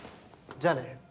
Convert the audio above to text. じゃあね。